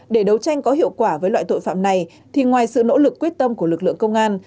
để đấu tranh có hiệu quả với loại tội phạm này thì ngoài sự nỗ lực quyết tâm của lực lượng công an